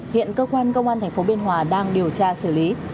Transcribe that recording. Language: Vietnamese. hiện cơ quan công an thành phố bến hòa đang điều tra xử lý